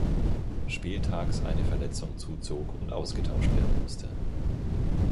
Spieltags eine Verletzung zuzog und ausgetauscht werden musste.